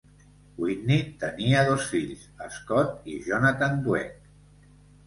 Whitney tenia dos fills, Scott i Jonathan Dweck.